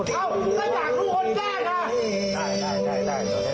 ถ้าได้ถ้าได้ทำไมอ่ะ